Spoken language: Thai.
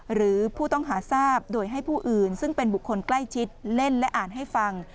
หรือผู้ต้องหาทราบโดยให้ผู้อื่นซึ่งเป็นบุคคลใกล้ชิดเล่นและอ่านให้ฟัง